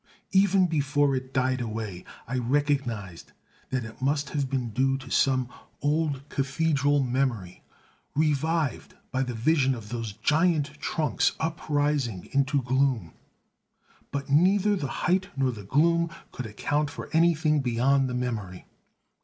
Even before it died away, I recognized that it must have been due to some old cathedral memory revived by the vision of those giant trunks uprising into gloom. But neither the height nor the gloom could account for anything beyond the memory.